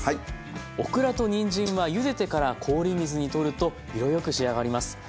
オクラとにんじんはゆでてから氷水にとると色よく仕上がります。